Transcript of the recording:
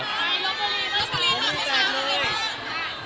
รถบุรีรถบุรี